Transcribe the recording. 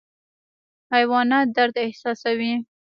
حیوانات درد احساسوي